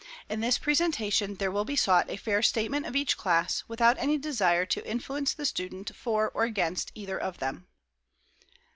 In this presentation there will be sought a fair statement of each class, without any desire to influence the student for or against either of them.